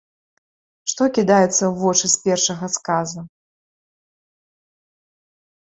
Што кідаецца ў вочы з першага сказа?